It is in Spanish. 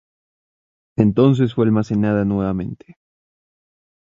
Entonces fue almacenada nuevamente.